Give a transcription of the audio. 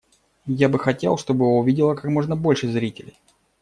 Я бы хотел, чтобы его увидело как можно больше зрителей.